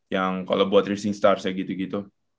yang kalau buat racing stars ya gitu gitu